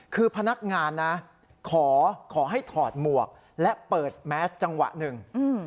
คือพนักงานนะขอขอให้ถอดหมวกและเปิดแมสจังหวะหนึ่ง